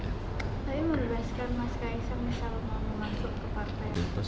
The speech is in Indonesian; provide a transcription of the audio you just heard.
tapi membahaskan mas gaisang misalnya mau masuk ke partai